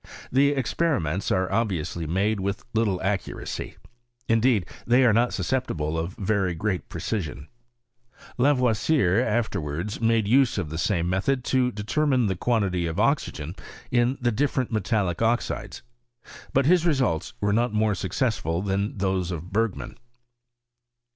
The experiments are obviourif made with little accuracy : indeed they are not susceptible of very great precision. lavoisier after wards made use of the same method to determine the quantity of oxygen in the different metallic oxides; but his results were not more successftit than those of Bergman.